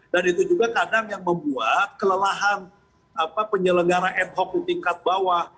dan itu juga kadang yang membuat kelelahan penyelenggara ad hoc di tingkat bawah